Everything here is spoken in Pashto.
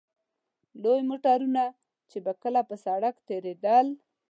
لوی موټرونه چې به کله پر سړک تېرېدل.